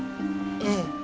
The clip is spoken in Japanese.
ええ。